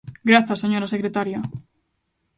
Grazas, señora secretaria.